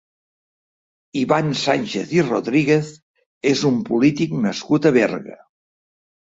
Ivan Sànchez i Rodríguez és un polític nascut a Berga.